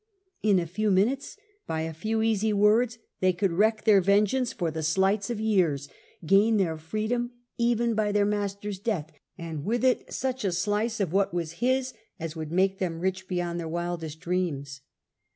In a few minutes, by a few easy words, they could wreak their vengeance for the slights of years, gain their freedom even by their master's death, and with it such a slice of what was his as would make them rich beyond their wildest dreams.